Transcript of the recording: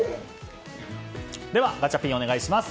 ではガチャピン、お願いします。